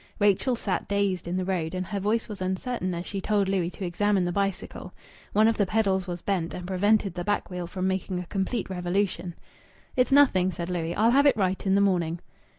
Rachel sat dazed in the road, and her voice was uncertain as she told Louis to examine the bicycle. One of the pedals was bent, and prevented the back wheel from making a complete revolution. "It's nothing," said Louis. "I'll have it right in the morning."